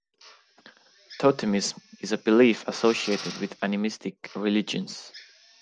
Totemism is a belief associated with animistic religions.